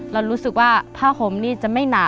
เรารู้สึกว่าผ้าห่มนี่จะไม่หนา